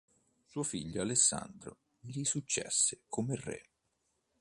Suo figlio Alessandro gli successe come re.